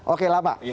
oke lah pak